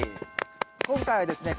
今回はですね